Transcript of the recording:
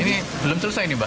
ini belum selesai ini mbak